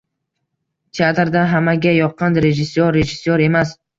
Teatrda hammaga yoqqan rejissyor, rejissyor emas.